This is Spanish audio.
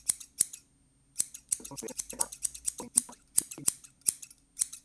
Fue profesor de arte en el Bradford College, en Massachusetts y en Harvard.